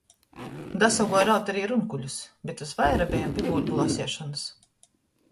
Dasaguoja raut ari runkuļus, bet vysvaira bejom pi guļbu laseišonys.